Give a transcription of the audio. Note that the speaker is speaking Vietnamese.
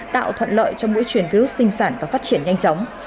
tạo thuận lợi cho mũi truyền virus sinh sản và phát triển nhanh chóng